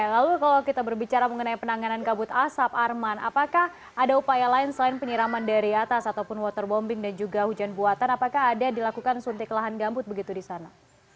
lalu kalau kita berbicara mengenai penanganan kabut asap arman apakah ada upaya lain selain penyiraman dari atas ataupun waterbombing dan juga hujan buatan apakah ada dilakukan suntik lahan gambut begitu di sana